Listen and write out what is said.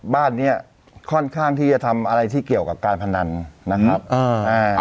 บ้านเนี้ยค่อนข้างที่จะทำอะไรที่เกี่ยวกับการพนันนะครับอ่าอ่า